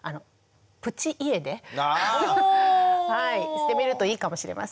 してみるといいかもしれません。